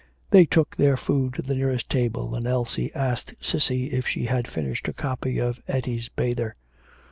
They took their food to the nearest table and Elsie asked Cissy if she had finished her copy of Etty's 'Bather.'